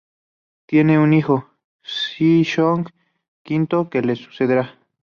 Tiene un hijo: Sheshonq V, que le sucederá.